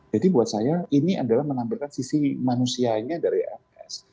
jadi buat saya ini adalah menampilkan sisi manusianya dari fs